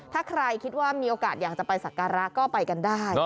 ถ้าใครคิดว่ามีโอกาสอยากจะไปสักการะก็ไปกันได้